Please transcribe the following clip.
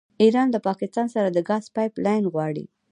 ایران له پاکستان سره د ګاز پایپ لاین غواړي.